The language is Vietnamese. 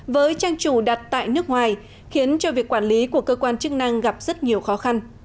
với trang chủ đặt tại nước ngoài khiến cho việc quản lý của cơ quan chức năng gặp rất nhiều khó khăn